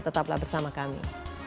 tetaplah bersama kami